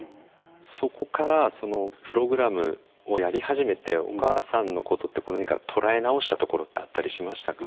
そこからそのプログラムをやり始めてお母さんのことってこう何か捉え直したところってあったりしましたか？